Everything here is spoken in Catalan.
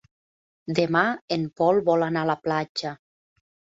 Demà en Pol vol anar a la platja.